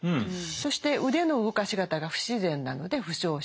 そして腕の動かし方が不自然なので負傷したのかな。